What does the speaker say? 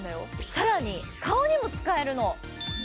更に顔にも使えるの。